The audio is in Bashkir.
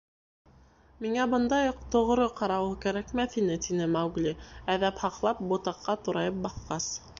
— Миңә бындай уҡ «тоғро» ҡарауыл кәрәкмәҫ ине, — тине Маугли, әҙәп һаҡлап, ботаҡҡа турайып баҫҡас.